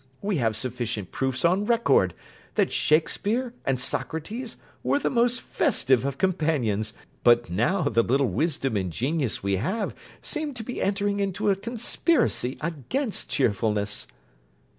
We have sufficient proofs on record that Shakspeare and Socrates were the most festive of companions. But now the little wisdom and genius we have seem to be entering into a conspiracy against cheerfulness.